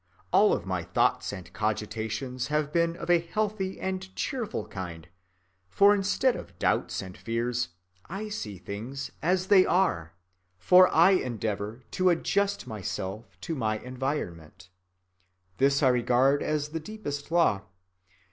All of my thoughts and cogitations have been of a healthy and cheerful kind, for instead of doubts and fears I see things as they are, for I endeavor to adjust myself to my environment. This I regard as the deepest law.